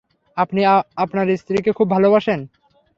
আপনি আপনার স্ত্রীকে খুব ভালোবাসেন!